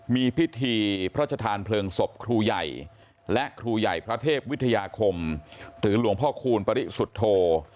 มีพิธีพระชธานเพลิงศพครูใหญ่และครูใหญ่พระเทพวิทยาคมหรือหลวงพ่อคูณปริสุทธโธ